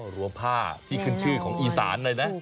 รวมผ้าที่ขึ้นชื่อของอีสานเลยนะ